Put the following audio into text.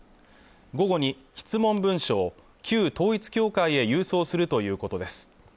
午後に質問文書を旧統一教会へ郵送するということです